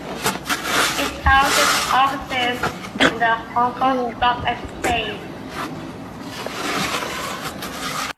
It houses offices and the Hong Kong Stock Exchange.